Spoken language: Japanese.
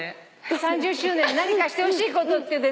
３０周年何かしてほしいことっていうので。